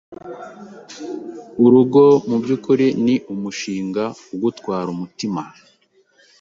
Urugo mu by’ukuri ni umushinga ugutwara umutima,